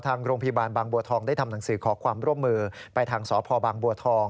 ทางโรงพยาบาลบางบัวทองได้ทำหนังสือขอความร่วมมือไปทางสพบางบัวทอง